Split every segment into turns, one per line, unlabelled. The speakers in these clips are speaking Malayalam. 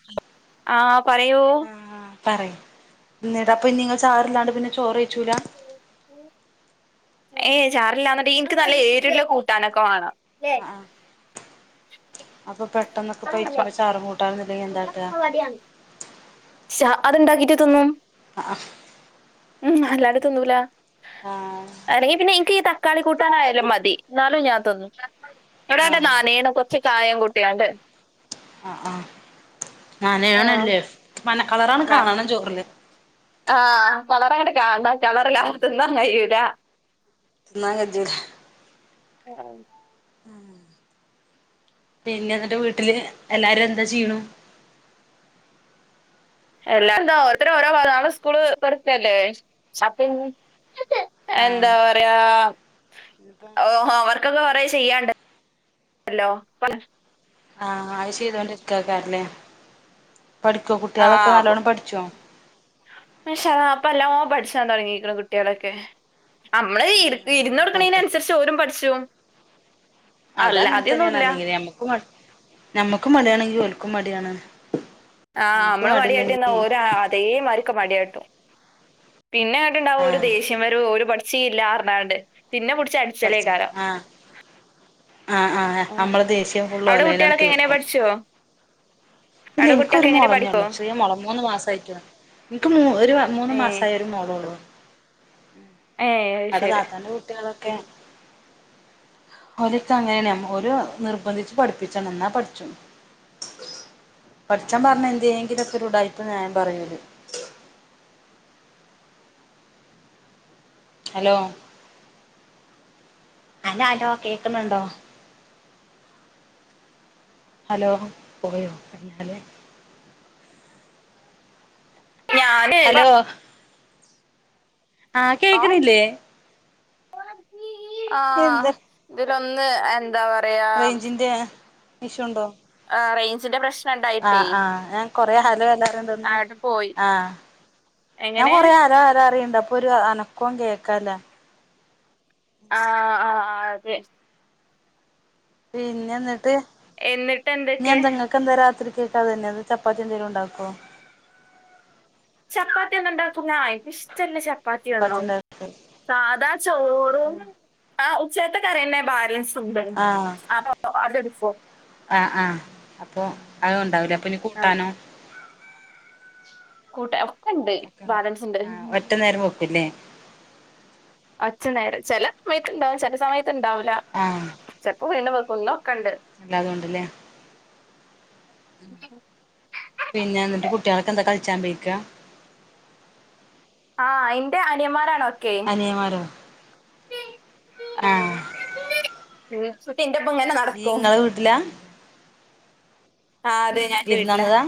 [inaudible]
ആ പറയൂ
ആഹ് പറയ് എന്നീടാ അപ്പൊ നിങ്ങ ചാറില്ലാണ്ട് പിന്നെ ചോറ്കഴിച്ചൂല [inaudible]
ഏയ് ചാറില്ലാന്നാണ്ടെ എനിക്ക് നല്ല ഏരുള്ള കൂട്ടാനൊക്കെ വേണം
ആഹ് ആഹ് അപ്പൊ പെട്ടെന്നൊക്കെ
അപ്പൊ
പയിച്ചുമ്പോ ചാറും കൂട്ടാനൊന്നില്ലെങ്കൈ എന്താട്ടാ
ശ അതുണ്ടാക്കിട്ട് തിന്നും
ആഹ്
ഉം അല്ലാണ്ട് തിന്നൂല
ആഹ്
അല്ലെങ്കിൽ പിന്നെ ഇ ക്കീ തക്കാളി കൂട്ടാനായാലും മതി എന്നാലും ഞാൻ തിന്നും എവിടാണ്ട്
ആഹ്
നനേണപോ ഇച്ച് കായം കൂട്ടിയാണ്ട്
ആഹ് ആഹ് നനയണല്ലേ
ആഹ്
മന കളറാണ് കാണാണം ചോറില്
ആഹ് കളർ അങ്ങോട്ട് കാണണം കളറില്ലാതെ തിന്നാൻ കഴിയൂല
[unintelligible]
ആഹ്
ഉം പിന്നെ എന്നിട്ട് വീട്ടില് എല്ലാരും എന്താ ചെയ്യുണു
എല്ലാ എന്താ ഓരോ നാളെ സ്കൂള് തുക്കയല്ലേ അപ്പൊ ഇനി
ആഹ്
എന്താ പറയാ
ഇനിപ്പോ
ഓ ഹോം വർക്കൊക്കെ കൊറേ ചെയ്യാണ്ടല്ലോ
ആഹ് അത് ചെയ്തൊണ്ടിരിക്കക്കാരല്ലേ പഠിക്കോ കുട്ടികളൊക്കെ നല്ലോണ്ണം പഠിച്ചോ
ഇൻഷാ അള്ളാ അപ്പൊ എല്ലാം പഠിച്ചാൻ തുടങ്ങീക്കണ് കുട്ടികളൊക്കെ നമ്മള്
ഉം
ഇട
അങ്ങനെ
ഇരുന്ന്
പോട്ടെ
കൊടുക്കണതിനനുസരിച്ച് ഓരും പഠിച്ചു പോം
അതങ്ങനെ തന്നെയാണ് അല്ലെങ്കിൽ ഞമ്മക്ക് ഞമ്മക്ക് മടി ആണെങ്കി ഓൽക്കും മടിയാണ്
ആഹ്
നമുക്ക്
നമ്മള് മടിയാട്ടിന്നാ
മടില്ലെങ്കി
ഓര് അതേമാരിക്ക് മടികാട്ടും പിന്നെ അങ്ങട്ടുണ്ടാവും ഒരു
ആഹ്
ദേഷ്യം വരവ് ഓര് പഠിച്ചീല്ലാ പറഞ്ഞാണ്ട് പിന്നെ പുടിച്ച് അടി
പഠിച്ചാ ആഹ് ആഹ് ആഹ് നമ്മളെ ദേഷ്യം ഫുള്ളും
അവിടെ
ഓൺലൈയിലങ്ങ്
കുട്ടികളൊക്കെ
തീർക്കും
[unintelligible]
ഇല്ല
അവിടെ
എനക്ക് ഒരു
കുട്ടികളൊക്കെ എങ്ങനെ പഠിക്കോ
മോളന്നേയുള്ളൂ ചെറിയ മോളാ മൂന്ന് മാസമായിട്ടെ ഉള്ളു എനിക്ക് ഒരു മൂന്ന്
ഏഹ്
മാസമായി ഒര് മോളെള്ളൂ
ഏഹ് അത്
അവിടെ
ശരി
താത്താന്റെ കുട്ടികളൊക്കെ ഓലക്കെ അങ്ങനെയന്നെയാണ് ഓല് നിർബന്ധിച്ച് പഠിപ്പിച്ചണം എന്നാ പഠിച്ചും പഠിച്ചാൻ പറഞ്ഞ എന്തേങ്കിലുംവൊക്കെ ഒരുടായിപ്പ് ന്യായം പറഞ്ഞ് വരും ഹലോ ഹലോ കേൾക്കുന്നുണ്ടോ ഹലോ പോയോ ഹലോ
ഞാന്
ഹലോ ആഹ് കേൾക്കണില്ലേ
ആഹ്
എന്താ
ഇതിലൊന്ന് എന്താ പറ
റെയീഞ്ചിന്റെ ഇഷ്യൂ ഉണ്ടോ
ആഹ് റെയിഞ്ചിന്റെ പ്രശ്
ആഹ് ആഹ് ഞാൻ കൊറേ ഹലോ ഹലോ പറയണതൊന്നും
അങ്ങട്ട് പോയി
ആഹ് ഞാൻ
എങ്ങനെ
കൊറെ ഹലോ ഹലോ പറയണ്ട് അപ്പൊ ഒരു അനക്കോം കേക്കായില്ല
ആഹ് ആഹ് അതെ
പിന്നെ എന്നിട്ട്
എന്നിട്ട് എന്തൊക്കെ
ഇപ്പൊ എന്താ രാത്രിക്ക് അതന്നെ ചപ്പത്തി എന്തേലും ഉണ്ടാക്കോ
ചപ്പാത്തി ഒന്നും ഉണ്ടാക്കുല എനിക്ക് ഇഷ്ടല്ല ചപ്പാത്തി ഒന്നും സാധാ ചോറും ആഹ് ഉച്ചൽത്തെ കറിയന്നെ ബാലൻസ് ഉണ്ട്
ആഹ്
അപ്പൊ അതെടുക്കുവോ
ആഹ് ആഹ് അപ്പൊ അത് ഉണ്ടാവൂലേ അപ്പൊ ഇനി
ആ
കൂട്ടാനോ
കൂട്ട ഒക്കെ ഉണ്ട് ബാലൻസ് ഉണ്ട്
ആഹ് ഒറ്റ നേരം വെക്കൂല്ലേ
ഒച്ചെനേര് ചെലെ മയത്ത്ണ്ടാവും ചെലെ സമയത്ത്ണ്ടാവൂലാ
ആഹ്
ചെൽപ്പോ ഉയ്ന്ന് വെക്കും ന്ന് വെക്ക്ണ്ട്
അല്ലാതോണ്ട്ലേ പിന്നെ ന്നിട്ട് കുട്ട്യാളൊക്കെന്ന് കൾച്ചാൻ പേയ്ക്കാ
ആഹ് ഇന്റെ അനിയന്മാരാണൊക്കേ
നിയൻമാരോ ആഹ്
ഇൾചുട്ടി ന്റെപ്പം ഇങ്ങെനെ
ഇയ്യ്
നടക്കും
ഇങ്ങളെ വീട്ടിലാ
ആഹ് അതെ ഞാൻ ന്റെ
വിരുന്ന്
വീട്ട്ലാ
വന്നതാ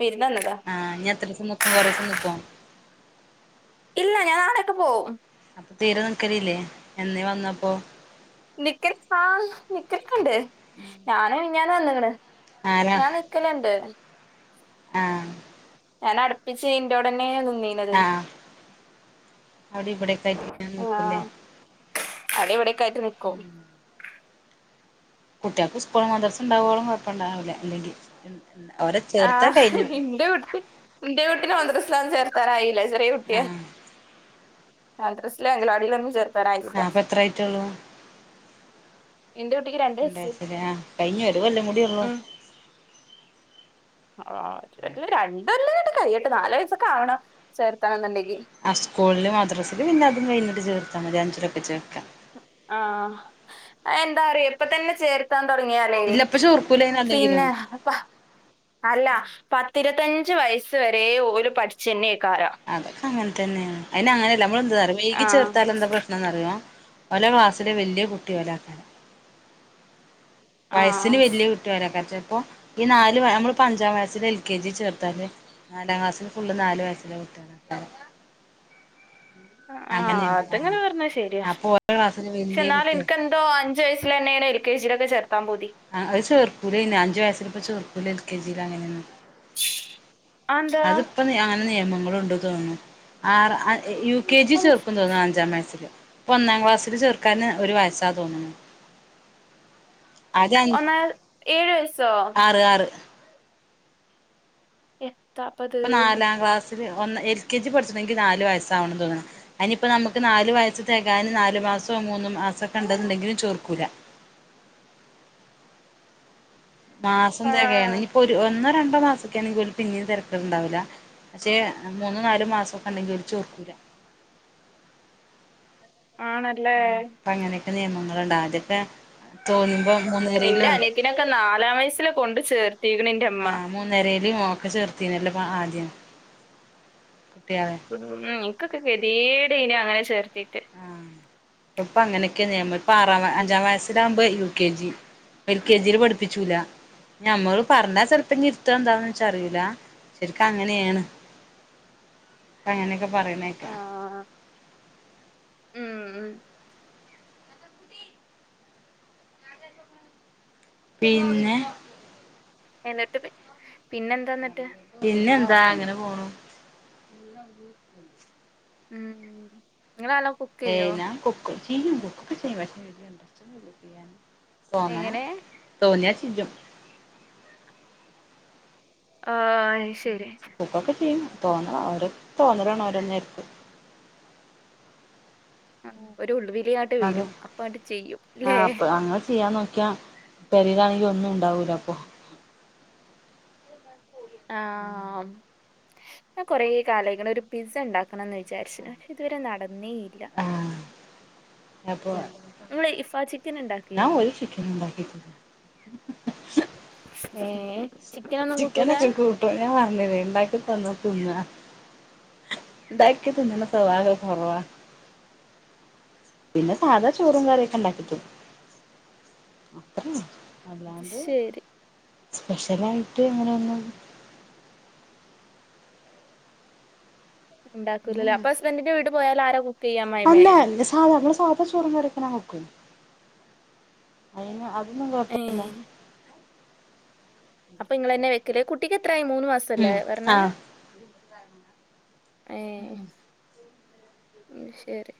വിര്ന്ന് വന്നതാ
ആഹ് ഞ്ഞെ എത്രീസം ന്ക്കും കൊറീസം നിക്കോ
ഇല്ല ഞാൻ നാളെയെക്കെ പോവും ഉം
അപ്പൊ തീരെ നിക്കലില്ലേ എന്നേ വന്ന അപ്പോ
നിക്കൽ ആഹ് നിക്കൽക്കെണ്ട് ഞാന് മിഞ്ഞാന് വന്ന്ക്ണ്
ആരാ
ഞാൻ ന് ക്കല്ണ്ട്
ആഹ്
ഞാനട്പ്പിച്ച് ഇന്റാേടെന്നേണ് നിന്നീ
ആഹ് അവ്ടീം ഇബടീം ഒക്കായ്ട്ട് ന്ക്കുലേ
അവ്ടിം ഇബട്യൊക്കായ്ട്ട് ന്ക്കും
കുട്ട്യാൾക്ക് സ്കൂൾ മദർസ് ണ്ടാവോളം കാെയപ്പണ്ടാവൂലാ അല്ലെങ്കി അവരെ ചേർത്ത്യാ
ആഹ്
കയ്ഞ്ഞു
ഇന്റെ കുട്ടി ഇന്റെ കുട്ടിനെ മദ്‌റ്‌സ്‌ലാെന്നും ചേർത്താനായില്ല ചെറ്യേ കുട്ട്യാ
ആഹ്
മദ്റസ്‌ലും അങ്കലവാടീലൊന്നും ചേർ
ആഹ് അപ്പ എത്രായിട്ടാെള്ളൂ
ഇന്റെ കുട്ടിയ്ക്ക് രൺ
ണ്ട് വയസ്സ് ലേ ആഹ് കയ്ഞ്ഞു ഒര് കൊല്ലും കൂട്യോള്ളൂ
ഉം ആഹ് [unintelligible] രണ്ടൊല്ലങ്ങട്ട് കയ്യട്ടെ നാല് വയസ്സൊക്കെ ആവണം ചേർത്തണംന്ന്ണ്ടെങ്കി
ആഹ് സ്കൂൾല് മദ്രസ്ല് പിന്നെ അതും കയ്ഞ്ഞ്ട്ട് ചേർത്താ മതി അഞ്ച്ലൊക്കെ ചേർക്കാ
ആഹ് അത് എന്താ അറിയാേ ഇപ്പ തന്നെ ചേർ ത്താൻ തൊടങ്ങ്യാലേ
ഇല്ല ഇപ്പൊ ചേർക്കൂല അയിന് അല്ലെങ്കിലും
പിന്നെ അപ്പാ അല്ല പത്തിരത്തഞ്ച് വയസ്സ് വരേ ഓല് പഠ്ച്ചെന്നെയ്ക്കാരം
അതൊക്കെ അങ്ങൻതന്നേണ് അയ്ന് അങ്ങെനെല്ല നമ്മളെന്തന്നറ്യോ വെഴ്കി
ആഹ്
ചേർത്താല് എന്താ പ്രശ്നംന്നറ്യോ ഓലെ ക്ലാസ്സില് വെല്യ കുട്ടി ഓലാക്കാരം വയസ്സിന്
ആഹ്
വല്യ കുട്ടി ഓലെക്കാരം ചെൽപ്പൊ ഇ നാല് വ ഞമ്മള്പ്പം അഞ്ചാം വയസ്സില് എൽ കെ ജി ചേർത്താല് നാലാം ക്ലാസ്സില് ഫുള്ള് നാല് വയസ്സ്ല്ലെ കുട്ട്യാളെണ്ടാവൊള്ളു
ആഹ്
അങ്ങെനിണ്ട് ആഹ്
അതങ്ങനെ പറഞ്ഞ
അപ്പൊ ഓരെ ക്ലാസ്സില് വെല്യ കുട്ട്യ
തോ അഞ്ച് വയസ്സ്ലെന്നേണ് എൽ കെ ജിലൊക്കെ ചേർത്താം പൂതി
ആഹ് അത് ചേർക്കൂലയ്ന് അഞ്ച് വയസ്സിൽപ്പ ചേർക്കൂല എൽ കെ ജിലങ്ങെനെന്നും
അതെന്താ
ഇപ്പം അങ്ങെനെ നിയമങ്ങളുണ്ട് തോൺണു ആർ അ അ യു കെ ജി
അഞ്ച്
ചേർക്കും തോന്ന്ന്ന് അഞ്ചാം വെയസ്സില് പ്പാെന്നാം ക്ലാസ്സില് ചേർക്കാന് ഒരു വയസ്സാ തോന്നുന്നു അത [unintelligible]
ഒന്നാ ഏഴു വയസ്സോ
ആറ് ആറ്
എഹ്
ഇപ്പം നാലാം ക്ലാസ്സില് ഒന്ന് എൽ കെ ജി പഠ്ച്ചണെങ്കി നാല് വയസ്സാവണം തോന്ന്ണ് അയ്നിയിപ്പം നമുക്ക് നാല് വയസ്സ് തെകാന് നാലു മാസോ മൂന്ന് മാസാെക്കെണ്ട്ന്ന്ണ്ടെങ്കിലും ചേർക്കൂല മാസം തെകയാണ്
ആഹ്
ഇനിപ്പോ ഒര് ഒന്നോ രണ്ടോ മാസൊക്കേണെങ്കിൽ പിന്നീം തെരെക്കേട്ണ്ടാവൂലാ പക്ഷേ മൂന്നോ നാലോ മാസാെക്കെണ്ടെങ്കി ഓല് ചോർക്കൂലാ
ആണ
ഉം ഇപ്പ അങ്ങനെക്കെ നിയമങ്ങള്ണ്ട് ആദ്യാെക്കെ തോന്ന്മ്പോ മൂന്ന്
ഇന്റെ അനിയത്തിനൊക്കെ നാലാം വയസ്സില് കൊണ്ട് ചേർത്തീക്ക്ണ് ഇന്റെ മ്മാ
മൂന്നരേല് ഓക്കെ ചേർത്തീനല്ലോ പ്പ ആദ്യം കുട്ട്യാളെ
ഉം ഇൻക്കൊക്കെ കെത്യേടേയ്നു അങ്ങെനെ ചേർത്തീട്ട്
ആഹ് ഇപ്പൊ അങ്ങനെയൊക്കെയാ നിയമം ഇപ്പം ആറാം അഞ്ചാം വയസിലാകുമ്പോ U K G. L K ജിയില് പഠിപ്പിച്ചൂല്ല. ഞമ്മള് പറഞ്ഞ ചിലപ്പോ ഇഞ്ഞി ഇരുത്താ എന്താന്ന്‌ വെച്ച അറിയൂല ശരിക്കും അങ്ങനെയാണ്. അങ്ങനെയൊക്കെ പറയണ കേക്കാം.
ആഹ് ഉം ഉം
പിന്നെ
എന്നിട്ട് പി പിന്നെന്താ അന്നിട്ട്?
പിന്നെന്താ ഇങ്ങനെ പോണു. [inaudible]
ഉം [unintelligible]
ഏയ് ഞാൻ കുക്കും ചെയ്യും കുക്കൊക്കെ ചെയ്യും പക്ഷെ വല്യ ഇൻട്രസ്റ്റൊന്നുല്ല ചെയ്യാന്. തോന്നണം
എങ്ങനെ
തോന്നിയാ ചെയ്യും.
ആയ്
കുക്കൊക്കെ ചെയ്യും തോന്നണം ഓരോ തോന്നലാണ് ഓരോ നേരത്ത്.
ആഹ് ഒരു ഉൾവിലിയാ
അതെ ആഹ് അപ്പൊ അങ്ങനെ ചെയ്യാൻ നോക്കിയാ പെരേലാണെങ്കിൽ ഒന്നും ഉണ്ടാവൂല്ല അപ്പൊ.
ആം ഞാൻ കുറേ കാലായേക്കണ് ഒരു പിസ്സ ഉണ്ടാക്കണന്ന് വിചാരിച്ച് പക്ഷെ ഇതുവരെ നടന്നേയില്ല.
ആഹ് അപ്പോ
നിങ്ങൾ ഇഫാ ചിക്കൻ
ഞാൻ
ഉണ്ടാക്കിയണോ
ഒരു ചിക്കനുണ്ടാക്കിയിട്ടില്ല.
ഏഹ്
ചിക്കനൊക്കെ കൂട്ടും ഞാൻ പറഞ്ഞില്ലേ ഉണ്ടാക്കി തന്നാ തിന്നാ. ഉണ്ടാക്കി തിന്നണ സ്വഭാവൊക്കെ കുറവാ. പിന്നെ സാധാ ചോറും കറിയൊക്കെ ഉണ്ടാക്കി തിന്നും അത്രയുള്ളൂ.
അത്
അല്ലാണ്ട്
ശരി
സ്പെഷ്യലായിട്ട് അങ്ങയൊന്നും
ഉണ്ടാക്കൂല്ല അപ്പ ഹസ്ബൻറിന്റെ വീട്ടി പോയാൽ ആരാ കു
അല്ലാ സാധാ ഞങ്ങള് സാദാ ചോറും കറീം ഞാൻ വെക്കും അയിന് ആ അതൊന്നും
ഏ
കുഴപ്പവില്ല
അപ്പൊ ഇങ്ങള് തന്നെ വെക്കല് കുട്ടിക്കെത്രായി മൂന്ന് മാസല്ലേ
ഉം
പറഞ്ഞേ.
ആഹ്
ഏഹ് ഉം ശരി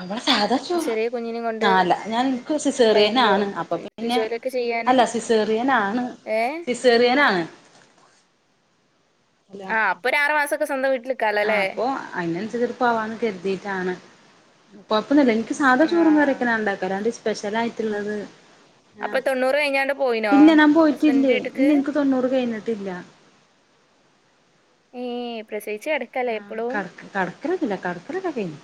അവിടെ സാധാ ചോറ്
ചെറിയ കുഞ്ഞിനും കൊണ്ട്
ആഹ് അല്ല ഞാൻ എനക്ക്
കയ്യോ
സിസേറിയനാണ് അപ്പ പി
വീട്ടു
ന്നെ
ജോലിയൊക്കെ ചെയ്യാന്
അല്ല സിസേറിയനാണ്
ഏ
സിസേറിയനാണ് അല്ല
ആഹ് അപ്പൊ ഒരു ആറ് മാസൊക്കെ സ്വന്തം വീട്ടില്
ആഹ് അപ്പൊ അതിനനുസരിച്ച് പോവാന്ന് കരുതിയിട്ടാണ്. കൊഴപ്പൊന്നൂല്ല എനിക്ക് സാധാ ചോറും
ആഹ്
കറിയൊക്കെ ഞാൻ ഉണ്ടാക്കും അല്ലാണ്ട് സ്പെഷ്യലായിട്ടുള്ളത്
അപ്പൊ
ആഹ്
തൊണ്ണൂറ് കഴിഞ്ഞാണ്ട് പോയിനോ
ഇല്ല ഞാൻ
ഹസ്ബൻഡിന്റെ
പോയിട്ടില്ലേ ഇല്ലെനിക്ക് തൊണ്ണൂറ് കഴിഞ്ഞിട്ടില്ല.
ഏയ് പ്രസവിച്ച് കെടക്കാല്ലേ ഇപ്പളും.
കടക്കലൊന്നൂല്ല കടക്കലൊക്കെ കഴിഞ്ഞ്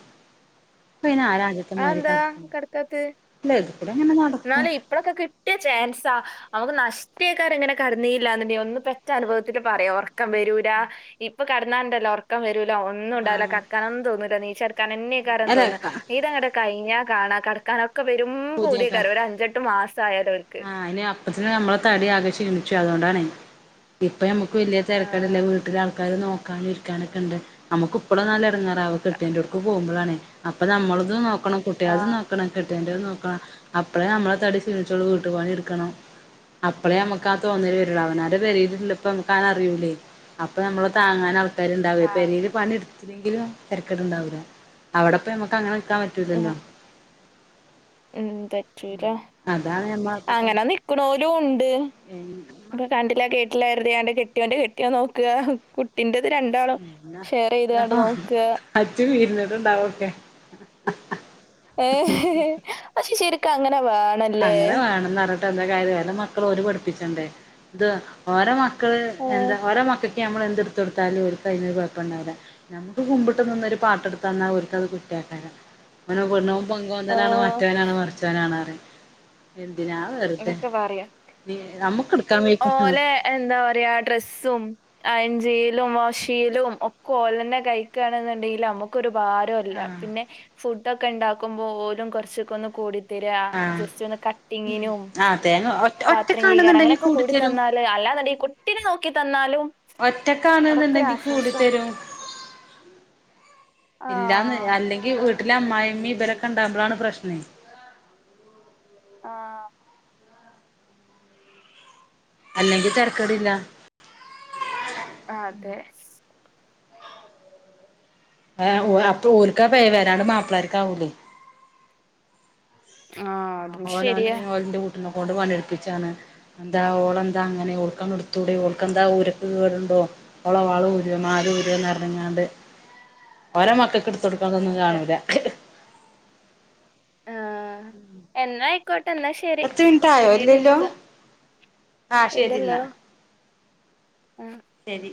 ഇപ്പയ്ന് ആരാ ആ ത്തെ മാതിരി
അതെന്താ
കെടക്കും
കിടക്കാത്ത്
അല്ല ഇത് കൂടെ അങ്ങനെ നടക്കും.
ഇപ്പോളൊക്കെ കിട്ടിയ ചാൻസാ നമുക്ക് നഷ്ടയേക്കാര് ഇങ്ങനെ കെടന്നീലാന്നുണ്ടെങ്കി ഒന്ന് പെ റ്റ അനുഭവത്തില് പറയാ ഒറക്കം വരൂലാ ഇപ്പം കെടന്നാലുണ്ടല്ലോ ഒറക്കം ക്കം വരൂലാ ഒന്നും ഉണ്ടാവൂല്ല
ആഹ്
കെടക്കാനൊന്നും തൊന്നൂല എനീച്ചടക്കാൻ തന്നെക്കാരം
അല്ല
തോന്നാ ഇതങ്ങട് കഴിഞ്ഞ കാണാ കടക്കാനൊക്കെ വരും
പുതിയ
പൂതിയെക്കാര് ഒരു അഞ്ചെട്ട് മാസം ആയാൽ ഓര്ക്ക്.
ഇപ്പതന്നെ നമ്മള തടി ആകെ ക്ഷീണിച്ചു അതുകൊണ്ടാണെ ഇപ്പം നമുക്ക് വല്ല്യ തിരക്കേടില്ല
ആഹ്
വീട്ടിലാൾക്കാര് നോ ക്കാനും ഇരിക്കാനൊക്കെണ്ട് നമുക്ക് ഇപ്പോഴൊന്നല്ല ഇടങ്ങേറാവ കെട്ടിയോൻ്റെ അവടക്ക് പോകുമ്പഴാണേ അപ്പൊ നമ്മളതു നോക്കണം കുട്ടികളതും
ആഹ്
നോക്കണം കെട്ടിയൊന്റേത് നോക്ക അപ്പള നമ്മളെ തടി ക്ഷീണിച്ചോളും വീട്ടുപണി എടുക്കണം അപ്പളേ അമ്മക്കാ തോന്നല് വെരൊള്ളൂ. അവനാൻ്റെ പെരീലില്ലപ്പംമ്മക്ക് ആനറിയൂലേ അപ്പം ഞമ്മളെ താങ്ങാനാൾ ൾക്കാര്ണ്ടാവേ.
ആഹ്
പെരേല് പണിട്ത്തില്ലെങ്കിലും തെരക്കട്ണ്ടാവൂല. അവടപ്പ ഞമ്മക്കങ്ങനെക്കാൻ പ റ്റൂലല്ലോ.
ഉം തെ. [unintelligible]
അതാണ് ഞമ്മളെ
അങ്ങനെ നിക്ക് ണോലൂണ്ട്. അപ്പൊ കണ്ടി ല്ല കേട്ടില്ലായിര് [unintelligible] ഞാന്റെ കെട്ടിയോന്റെ കെട്ട്യോ നോക്കാ കുട്ടിൻ്റെത് രണ്ടാളും
എന്നാ
ഷെയറെയ്ത്കാണ്ട്
എന്നപ്പ
നോക്കാ
അച്ഛൻ വെര് [unintelligible] ഉണ്ടാവൊക്കെ
ഏഹ് ഹെ ഹെ അ ശ ശെരിക്കും അങ്ങനെ വേണം
അങ്ങനെ വേണന്നർഞ്ഞട്ടെന്താ കാര്യം ഓലെ മക്കള് ഓല് പഠിപ്പിച്ചണ്ടേ? ത് ഓരെ മക്കള്
ആ
എന്താ ഓരോ മക്കക്ക് ഞമ്മള് എന്ത്ട്ത്തൊട്ത്താലും ഓര്ക്കയ്ന് കൊയപ്പണ്ടാവൂല. ഞമ്മക്ക് കുമ്പ്ട്ട് നിന്നൊരു പാട്ടട്ത്തന്നാ ഓര്ക്കത് കുറ്റാക്കാരം. [unintelligible]
ആ
പെങ്കോന്തനാണ് മറ്റവനാണ് മറിച്ചുവനാണറിം. എന്തിനാ വെറ്തെ.
എന്നൊക്കെ പറയാ
നീ അമ്മക്ക്ട്ക്കാൻ വെയ്ക്കും. ആഹ്
ഓലെ എന്താ പറിയാ ഡ്രെസ്സും അയൺ ചെയ്യലും വോശെയ്യലും ഒക്കോലെന്നെ കഴിക്കാണെന്നുണ്ടെങ്കിലമ്മക്കൊരു ഭാ [unintelligible]
ആഹ്
പിന്നെ ഫുഡൊക്കെ ണ്ടാക്കുമ്പോ ഓലും കൊരച്ചൊക്കൊന്ന് കൂടി തെരാ
ആഹ്
ജസ്റ്റൊന്ന് കട്ടിങ്ങിനും
ആഹ്, തേങ്ങ ഒ ഒറ്റ ഒറ്റക്കാണുന്നുണ്ടെങ്കി കൂടിത്തെരും.
ല്ല അല്ലാന്ന്ണ്ടെങ്കി കുട്ടിനെ നോക്കി തന്നാലും അതൊക്കെ ഒരു
ഒറ്റക്കാണ്ന്ന്ണ്ടെങ്കി
ആശ്വാസ
കൂടിത്തെരും. ഇല്ലാന്ന്,
ആഹ്
അല്ലെങ്കി വീട്ടിലെ അമ്മായിമ്മീ ഇവരൊക്കെണ്ടാവുമ്പളാണ് പ്രശ്നേ
ആഹ്.
അല്ലെങ്കി തെര്ക്കടില്ല.
അതെ.
ഏഹ് ഓ അപ്പ ഓൽക്കാ പേര് അലാണ്ട് മാപ്ലാര്ക്കാവൂലേ.
ആഹ് അതും
ഓനാണ്
ശരിയാ
ഓൽൻ്റെ കൂട്ടിനെകൊണ്ട് പണി ട്പ്പിച്ചാണ്. ന്താ ഓളെന്താ അങ്ങനെ ഓൾക്കങ്ങ്ട്ത്തൂടെ ഓൾക്കെന്താ ഊരക്ക് കേടുണ്ടോ? ഓള വളൂരോ മാലൂരോന്നർഞ്ഞിങ്ങാണ്ട് ഓരമക്കക്ക്ട് തൊട്ക്ക്ണതൊന്നും കാണൂല.
എന്നായ്ക്കോട്ടെ എന്നാ ശരി
പത്ത് മിൻട്ടായോ
പിന്നീട്
ഇല്ല്യല്ലോ?
വിളിക്കാം
ആഹ്
ഇണ്ടല്ലോ
ശെരിന്നാ.
ആഹ്.
ശെരി.